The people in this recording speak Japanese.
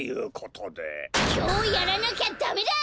きょうやらなきゃダメだ！